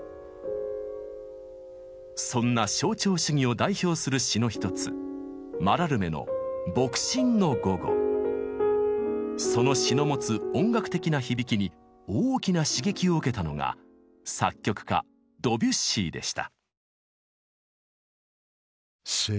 そんな象徴主義を代表する詩の一つその詩の持つ音楽的な響きに大きな刺激を受けたのが作曲家ドビュッシーでした。